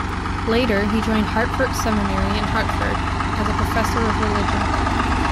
Later, he joined Hartford Seminary in Hartford, as professor of religion.